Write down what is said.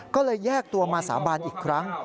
ก็เลยแยกตัวมาสาบานอีกครั้ง